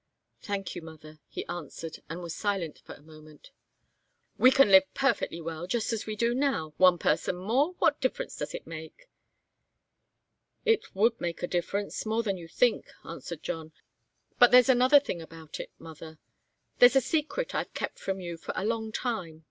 "Thank you, mother," he answered, and was silent for a moment. "We can live perfectly well just as well as we do now. One person more what difference does it make?" "It would make a difference more than you think," answered John. "But there's another thing about it, mother there's a secret I've kept from you for a long time.